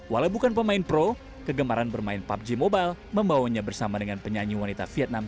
walau bukan pemain pro kegemaran bermain pubg mobile membawanya bersama dengan penyanyi wanita vietnam